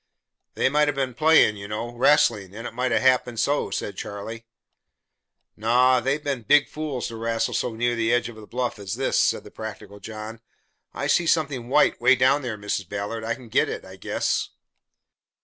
"They might ha' been playing you know wrestling and it might 'a' happened so," said Charlie. "Naw! They'd been big fools to wrestle so near the edge of the bluff as this," said the practical John. "I see something white way down there, Mrs. Ballard. I can get it, I guess."